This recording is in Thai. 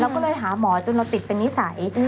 ก็เลยหาหมอจนเราติดเป็นนิสัย